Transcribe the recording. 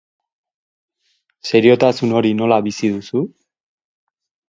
Seriotasun hori nola bizi duzu?